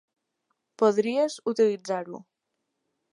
Podries utilitzar-ho.